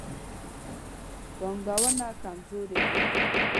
پانګونه کمزورې وي.